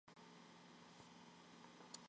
agravo